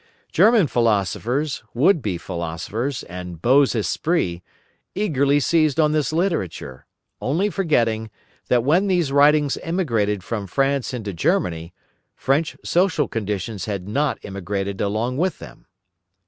German philosophers, would be philosophers, and beaux esprits, eagerly seized on this literature, only forgetting, that when these writings immigrated from France into Germany, French social conditions had not immigrated along with them.